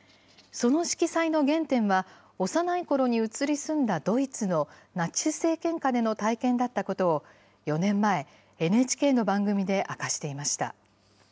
その色彩の原点は、幼いころに移り住んだドイツのナチス政権下での体験だったことを、４年前、ＮＨＫの番組で明かしていました。